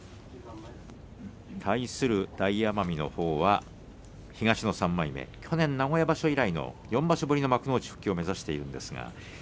対する大奄美のほうは東の３枚目で去年名古屋場所以来の４場所ぶりの幕内復帰を目指しています。